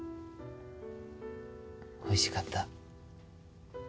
おいしかった。